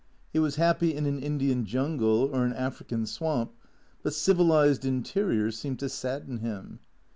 He was happy in an Indian jungle or an African swamp, but civilized interiors seemed to sadden him.